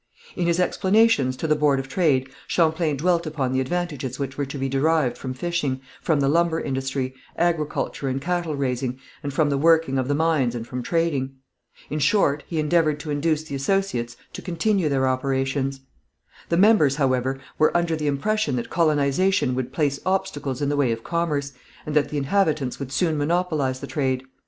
In his explanations to the Board of Trade Champlain dwelt upon the advantages which were to be derived from fishing, from the lumber industry, agriculture and cattle raising, and from the working of the mines and from trading. In short he endeavoured to induce the associates to continue their operations. The members, however, were under the impression that colonization would place obstacles in the way of commerce, and that the inhabitants would soon monopolize the trade.